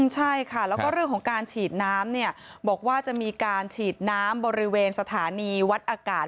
ใช่ค่ะแล้วก็เรื่องของการฉีดน้ำเนี่ยบอกว่าจะมีการฉีดน้ำบริเวณสถานีวัดอากาศ